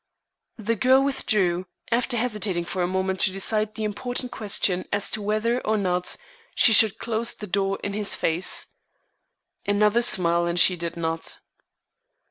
The girl withdrew, after hesitating for a moment to decide the important question as to whether or not she should close the door in his face. Another smile, and she did not.